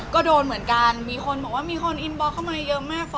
ก็โดนเหมือนกันมีคนบอกว่ามีคนอินบล็กเข้ามาเยอะมาก